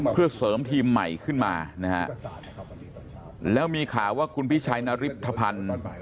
เพื่อเสริมทีมใหม่ขึ้นมานะฮะแล้วมีข่าวว่าคุณพิชัยนริบธภัณฑ์